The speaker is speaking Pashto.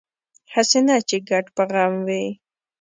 هسې نه چې ګډ په غم وي